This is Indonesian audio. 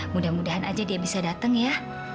mudah mudahan aja dia bisa datang ya